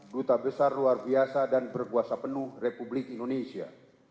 duta besar luar biasa dan berkuasa penuh republik indonesia